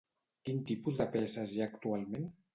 Quin tipus de peces hi ha actualment?